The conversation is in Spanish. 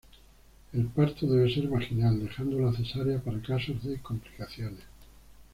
El parto debe ser vaginal, dejando la cesárea para casos de complicaciones.